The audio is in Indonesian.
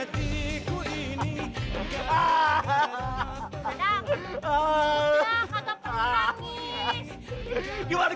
tidak tidak perlu nangis